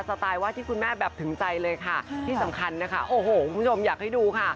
ไตล์ว่าที่คุณแม่แบบถึงใจเลยค่ะที่สำคัญนะคะโอ้โหคุณผู้ชมอยากให้ดูค่ะ